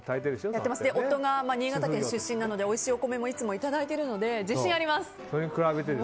夫も新潟県出身なのでおいしいお米もいつもいただいているので自信があります。